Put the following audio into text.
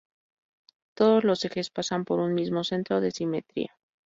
Todos los ejes pasan por un mismo centro de simetría.